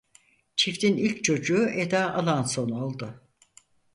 Çiftin ilk çocuğu Eda Alanson oldu.